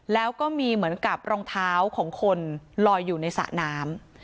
แล้วก็มีเหมือนกับรองเท้าของคนลอยอยู่ในสระน้ำ